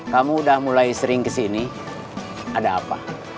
kamu udah mulai sering kesini ada apa